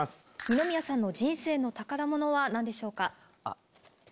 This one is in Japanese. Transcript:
二宮さんの人生の宝物は何でしょうか？